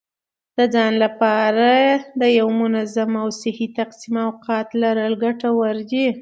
د ځان لپاره د یو منظم او صحي تقسیم اوقات لرل ګټور دي.